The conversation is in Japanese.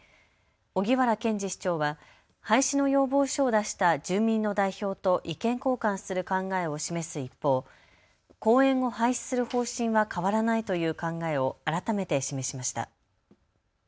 荻原健司市長は廃止の要望書を出した住民の代表と意見交換する考えを示す一方、公園を廃止する方針は変わらないという考えを改めて示しました。